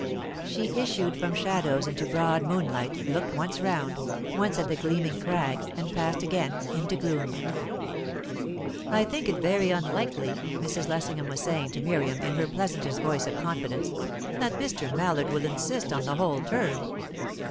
She issued from shadows into broad moonlight, looked once round, once at the gleaming crags, and passed again into gloom. "I think it very unlikely," Mrs. Lessingham was saying to Miriam, in her pleasantest voice of confidence, "that Mr. Mallard will insist on the whole term."